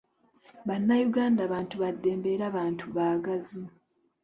Bannayungada bantu baddembe erabantu baagazi.